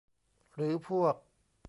หรือพวก